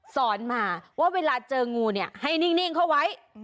สอนมาว่าเวลาเจองูเนี่ยให้นิ่งเข้าไว้